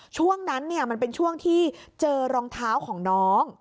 ช่วงนั้นมันเป็นช่วงที่เจอรองเท้าของน้อง